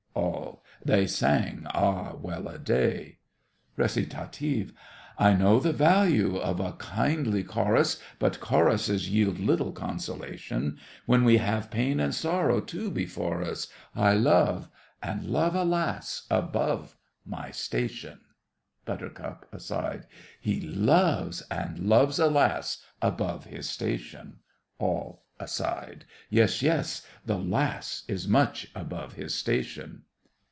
All. They sang "Ah, well a day!" RECITATIVE I know the value of a kindly chorus, But choruses yield little consolation When we have pain and sorrow too before us! I love—and love, alas, above my station! BUT. (aside). He loves—and loves a lass above his station! ALL (aside). Yes, yes, the lass is much above his station!